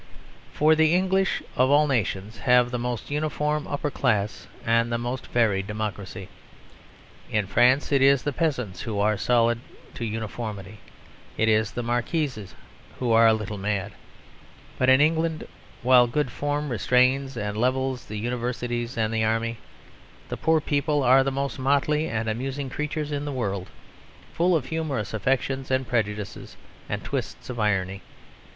For the English, of all nations, have the most uniform upper class and the most varied democracy. In France it is the peasants who are solid to uniformity; it is the marquises who are a little mad. But in England, while good form restrains and levels the universities and the army, the poor people are the most motley and amusing creatures in the world, full of humorous affections and prejudices and twists of irony.